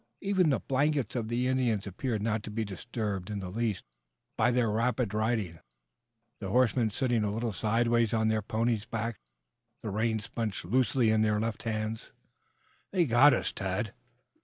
Even the blankets of the Indians appeared not to be disturbed in the least by their rapid riding, the horsemen sitting a little sideways on the ponies' backs, the reins bunched loosely in their left bands. "They've got us, Tad."